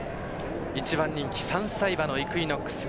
１番人気３歳馬のイクイノックス。